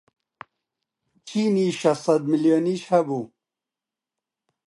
چینی شەشسەد ملیۆنیش هەبوو